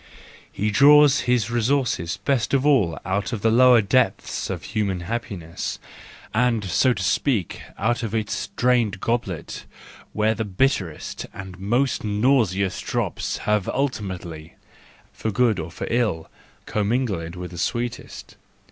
He draws his resources best of all out of the lower depths of human happiness, and so to speak, out of its drained goblet, where the bitterest and most nauseous drops have ultimately, for good or for ill, commingled with the sweetest.